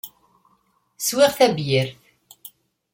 Swiɣ tabyirt.